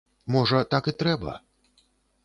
Можа, так і трэба?